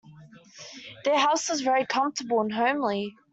Their house was very comfortable and homely